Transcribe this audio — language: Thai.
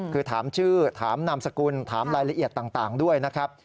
คือถามชื่อถามนามสกุลถามรายละเอียดต่างด้วยนะครับ